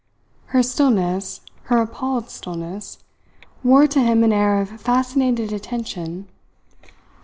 Her stillness, her appalled stillness, wore to him an air of fascinated attention.